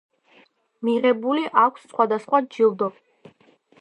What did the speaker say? მიღებული აქვს სხვადასხვა ჯილდო.